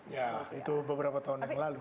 ya itu beberapa tahun yang lalu